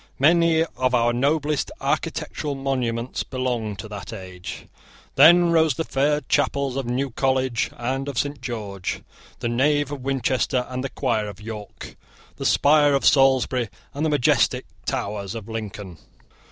Many of our noblest architectural monuments belong to that age. Then rose the fair chapels of New College and of Saint George, the nave of Winchester and the choir of York, the spire of Salisbury and the majestic towers of Lincoln.